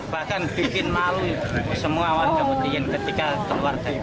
bahkan bikin malu semua warga petihin ketika keluar dari